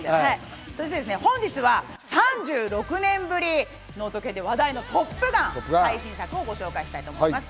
本日は３６年ぶり、続編で話題の『トップガン』、最新作をご紹介します。